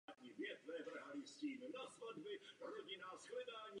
Po deštích tato skrytá stanoviště opouští a proniká i na volné prostranství.